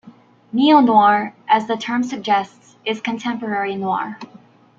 Neo-noir, as the term suggests, is contemporary noir.